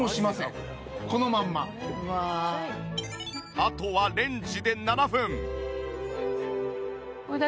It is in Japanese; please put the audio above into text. あとはレンジで７分。